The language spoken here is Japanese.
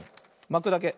まくだけ。